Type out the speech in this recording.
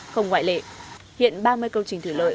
không ngoại lệ hiện ba mươi công trình thủy lợi